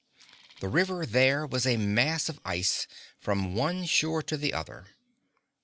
The river there was a mass of ice from one shore to the other.